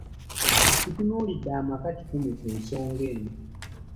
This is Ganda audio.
Tutunuulidde amaka kikumi ku nsonga eno.